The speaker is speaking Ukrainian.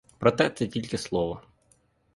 Проте це тільки слово.